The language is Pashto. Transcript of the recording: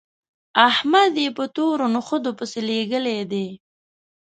احمد يې په تورو نخودو پسې لېږلی دی